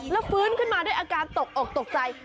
แล้วฟื้นขึ้นมาด้วยอาการตกอกตกใจ